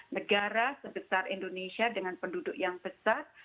negara sebesar indonesia dengan penduduk yang besar